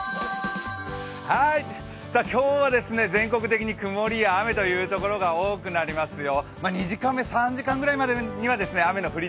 今日は全国的に曇りや雨というところが多くなりますよ。